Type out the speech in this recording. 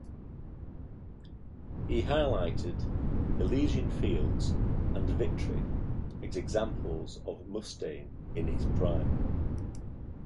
He highlighted "Elysian Fields" and "Victory" as examples of Mustaine in his prime.